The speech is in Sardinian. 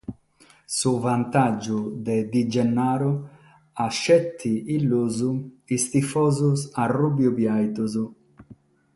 Su vantàgiu de Di Gennaro at petzi illusu sos tifosos ruju-biaitos.